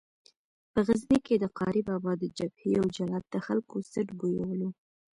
په غزني کې د قاري بابا د جبهې یو جلاد د خلکو څټ بویولو.